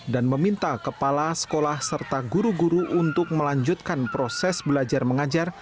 dan meminta kepala sekolah serta guru guru untuk melanjutkan proses belajar mengajar